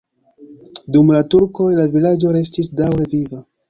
Dum la turkoj la vilaĝo restis daŭre viva.